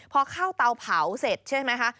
พอเข้าเตาเผาเสร็จใช่ไหมคะ